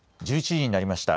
１１時になりました。